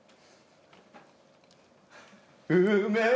うめえ！